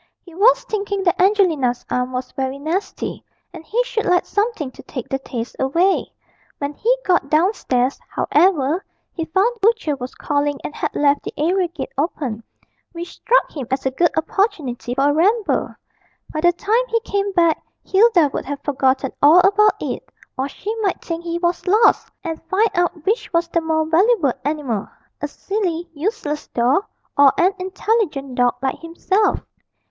He was thinking that Angelina's arm was very nasty, and he should like something to take the taste away. When he got downstairs, however, he found the butcher was calling and had left the area gate open, which struck him as a good opportunity for a ramble. By the time he came back Hilda would have forgotten all about it, or she might think he was lost, and find out which was the more valuable animal a silly, useless doll, or an intelligent dog like himself.